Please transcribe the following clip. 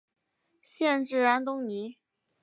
县治安东尼。